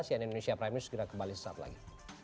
cnn indonesia prime news segera kembali sesaat lagi